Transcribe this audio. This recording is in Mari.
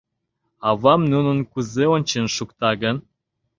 — Авам нуным кузе ончен шукта гын?